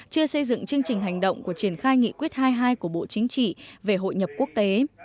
chưa xây dựng chương trình hành động của triển khai nghị quyết hai mươi hai của bộ chính trị về hội nhập quốc tế